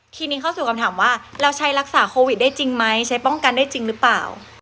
ทีนี้เข้าสู่คำถามว่าเราใช้รักษาโควิดได้จริงไหมใช้ป้องกันได้จริงหรือเปล่า